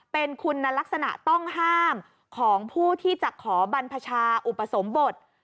เป็นคุณลักษณะต้องห้ามของผู้ที่จะขอบรรพชาอุปสมบท